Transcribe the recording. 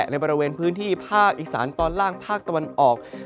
ในบริเวณพื้นที่ภาคอีสานตอนล่างภาคตะวันออก